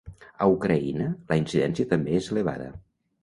A Ucraïna la incidència també és elevada.